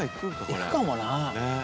いくかもな。